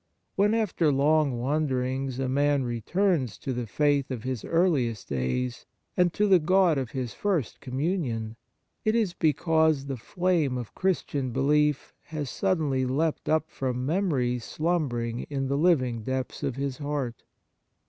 When, after long wanderings, a man returns to the faith of his earliest days, and to the God of his first Communion, it is because the flame of Christian belief has suddenly leapt up from memories slumbering in the living depths of his heart.